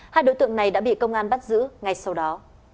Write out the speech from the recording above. hai đối tượng này đã bị công an bắt giữ ngay sau đó